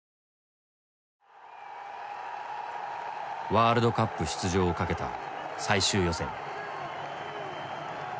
ワールドカップ出場をかけた最終予選。